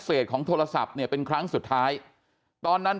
ของโทรศัพท์เนี่ยเป็นครั้งสุดท้ายตอนนั้น